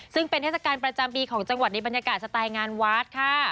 ซึ่งเป็นเทศกาลประจำปีของจังหวัดในบรรยากาศสไตล์งานวัดค่ะ